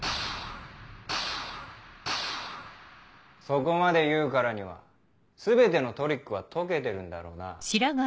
そこまで言うからには全てのトリックは解けてるんだろうな？